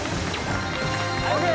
・ＯＫ！